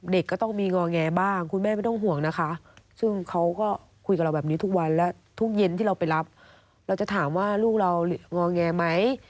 เด็กก็ต้องมีงอแงบ้างคุณแม่ไม่ต้องห่วงนะคะซึ่งเขาก็คุยกับเราแบบนี้ทุกวันและทุกเย็นที่เราไปรับเราจะถามว่าลูกเรางอแงไหม